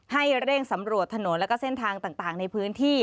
ให้เร่งสำรวจถนนแล้วก็เส้นทางต่างในพื้นที่